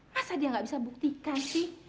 masa dia gak bisa buktikan sih